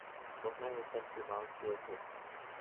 Both men were sent to Mountjoy Prison.